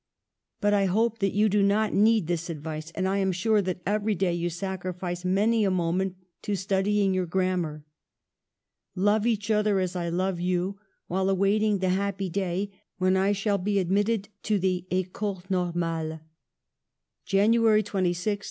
. But I hope that you do not need this advice, and I am sure that every day you sacrifice many a moment to studying your gramm^ar. Love each other as I love you, while awaiting the happy day when I shall be admit ted to the Ecole Normale" (January 26, 1840).